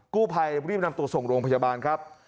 กู้ภัยรีบนำตัวส่งโรงพยาบาลครับ